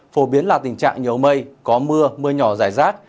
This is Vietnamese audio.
phổ biến là tình trạng nhiều mây có mưa mưa nhỏ rải rác